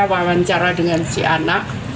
wawancara dengan si anak